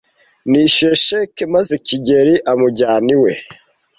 Nishyuye sheki maze kigeli amujyana iwe.